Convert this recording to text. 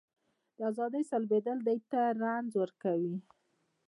د ازادۍ سلبېدل دوی ته رنځ ورکوي.